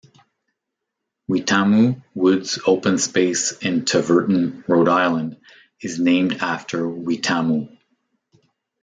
Weetamoo Woods Open Space in Tiverton, Rhode Island is named after Weetamoo.